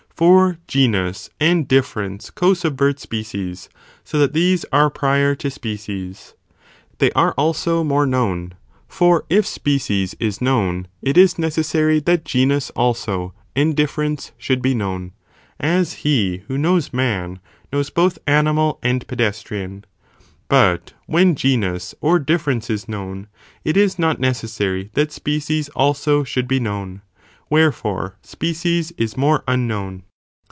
For genus and difference co subvert species,' so that these are prior to species. They are also more known, for if species is known, it is necessary that genus also and difference should be known, (as he who knows man, knows both animal and pedestrian,) but when genus or dif ference is known, it is not necessary that species also should be known, wherefore species is more unknown.